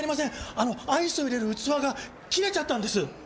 あのアイスを入れる器が切れちゃったんです。